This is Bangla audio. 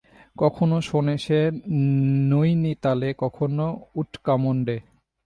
কখনো শোনে সে নৈনিতালে, কখনো উটকামণ্ডে।